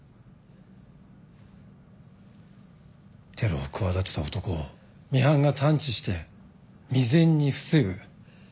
テロを企てた男をミハンが探知して未然に防ぐ。